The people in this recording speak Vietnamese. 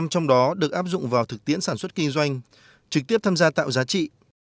bảy mươi trong đó được áp dụng vào thực tiễn sản xuất kinh doanh trực tiếp tham gia tạo giá trị